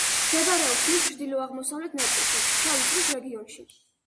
მდებარეობს მის ჩრდილო-აღმოსავლეთ ნაწილში, შავი ზღვის რეგიონში.